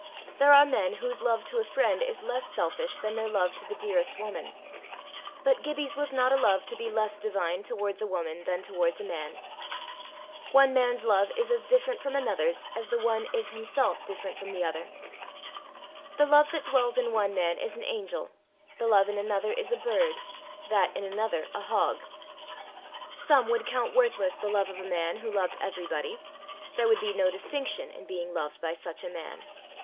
There are men whose love to a friend is less selfish than their love to the dearest woman; but Gibbie's was not a love to be less divine towards a woman than towards a man. One man's love is as different from another's as the one is himself different from the other. The love that dwells in one man is an angel, the love in another is a bird, that in another a hog. Some would count worthless the love of a man who loved everybody. There would be no distinction in being loved by such a man!